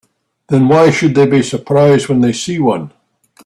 Then why should they be surprised when they see one?